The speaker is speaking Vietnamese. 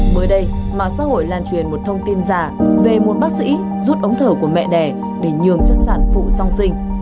mới đây mạng xã hội lan truyền một thông tin giả về một bác sĩ rút ống thở của mẹ đẻ để nhường cho sản phụ song sinh